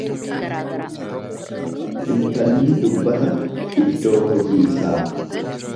Intalli dubbata iddoo hojii isaa.